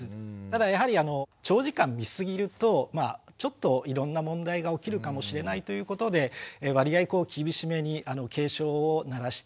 ただやはり長時間見すぎるとちょっといろんな問題が起きるかもしれないということで割合厳しめに警鐘を鳴らしているのかなという気がします。